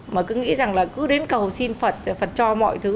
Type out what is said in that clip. mà cứ nghĩ rằng là cứ đến cầu xin phật phật cho mọi thứ